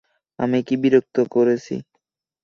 আমি কী বিরক্ত করছি?